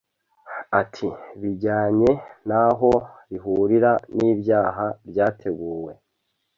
Ati “Bijyanye n’aho rihurira n’ibyaha byateguwe